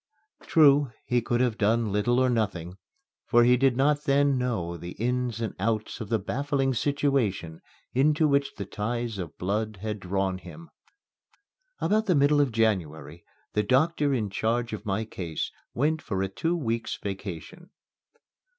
True, he could have done little or nothing, for he did not then know the ins and outs of the baffling situation into which the ties of blood had drawn him. About the middle of January the doctor in charge of my case went for a two weeks' vacation.